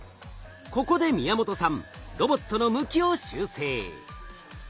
ここで宮本さんロボットの向きを修正。